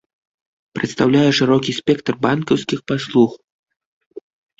Прадастаўляе шырокі спектр банкаўскіх паслуг.